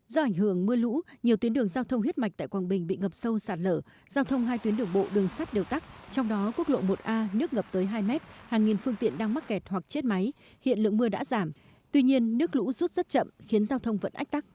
do ảnh hưởng mưa lũ nhiều tuyến đường giao thông huyết mạch tại quảng bình bị ngập sâu sạt lở giao thông hai tuyến đường bộ đường sắt đều tắt trong đó quốc lộ một a nước ngập tới hai m hàng nghìn phương tiện đang mắc kẹt hoặc chết máy hiện lượng mưa đã giảm tuy nhiên nước lũ rút rất chậm khiến giao thông vẫn ách tắc